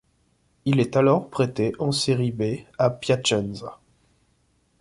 Il est alors prêté en Serie B à Piacenza.